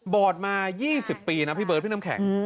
อดมา๒๐ปีนะพี่เบิร์ดพี่น้ำแข็ง